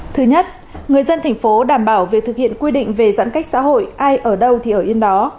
thứ nhất người dân thành phố đảm bảo việc thực hiện quy định về giãn cách xã hội ai ở đâu thì ở yên đó